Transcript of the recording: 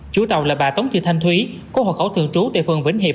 chú tàu là bà tống thị thanh thúy có hộ khẩu thường trú tại phường vĩnh hiệp